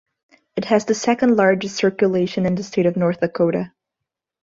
It has the second largest circulation in the state of North Dakota.